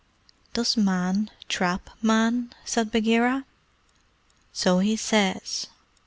"Does Man trap Man?" said Bagheera. "So he says.